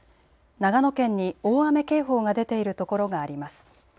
長野県に大雨警報が出ている所があります。